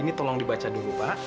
ini tolong dibaca dulu pak